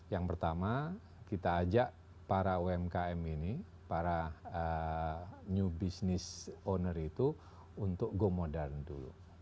yang pertama kita ajak para umkm ini para new business owner itu untuk go modern dulu